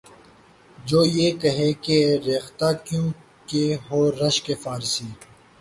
جو یہ کہے کہ ’’ ریختہ کیوں کہ ہو رشکِ فارسی؟‘‘